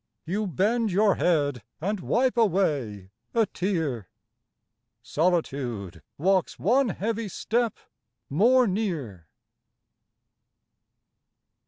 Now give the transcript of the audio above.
You bend your head and wipe away a tear. Solitude walks one heavy step more near.